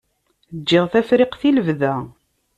Ǧǧiɣ Tafriqt i lebda.